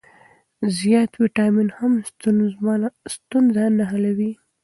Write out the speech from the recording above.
زیات ویټامین هم ستونزه نه حلوي.